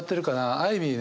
アイビーね